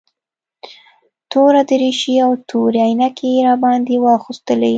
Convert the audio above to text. توره دريشي او تورې عينکې يې راباندې واغوستلې.